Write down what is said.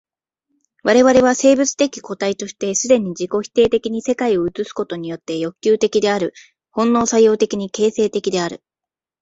我々は生物的個体として既に自己否定的に世界を映すことによって欲求的である、本能作用的に形成的である。